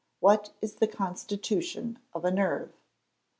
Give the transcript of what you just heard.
_What is the constitution of a nerve?